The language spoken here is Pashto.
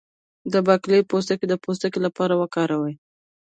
د باقلي پوستکی د پوستکي لپاره وکاروئ